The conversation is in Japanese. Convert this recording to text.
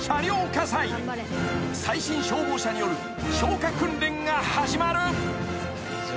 ［最新消防車による消火訓練が始まる］